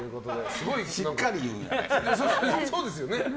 すごいしっかり言うね。